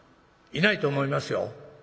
いないと思いますよ。